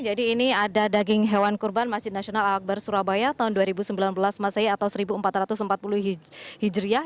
jadi ini ada daging hewan korban masjid nasional al akbar surabaya tahun dua ribu sembilan belas masai atau seribu empat ratus empat puluh hijriah